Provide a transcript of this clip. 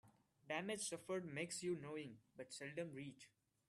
Damage suffered makes you knowing, but seldom rich.